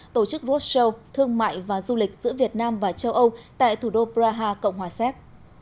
tổ chức roshow thương mại và du lịch giữa việt nam và châu âu tại thủ đô praha cộng hòa séc